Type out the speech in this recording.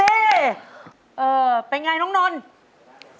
เออเป็นไงน้องนนท์